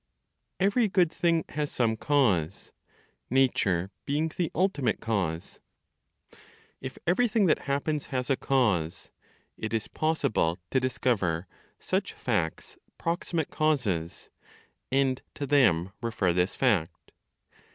EVERY GOOD THING HAS SOME CAUSE; NATURE BEING THE ULTIMATE CAUSE. If everything that happens has a cause, it is possible to discover such fact's proximate causes, and to them refer this fact.